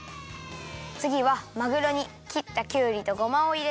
つぎはまぐろにきったきゅうりとごまをいれてまぜます。